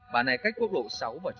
bạn này cách quốc lộ sáu